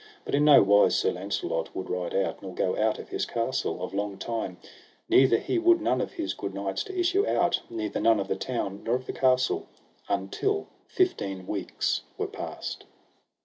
But in no wise Sir Launcelot would ride out, nor go out of his castle, of long time; neither he would none of his good knights to issue out, neither none of the town nor of the castle, until fifteen weeks were past.